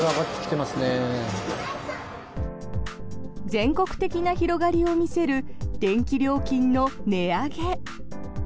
全国的な広がりを見せる電気料金の値上げ。